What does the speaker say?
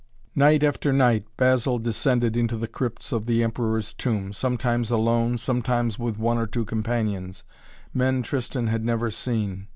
Night after night Basil descended into the crypts of the Emperor's Tomb, sometimes alone, sometimes with one or two companions, men Tristan had never seen.